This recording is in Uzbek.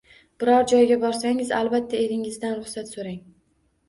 Biron joyga borsangiz, albatta eringizdan ruxsat so‘rang.